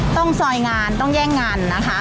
ซอยงานต้องแย่งงานนะคะ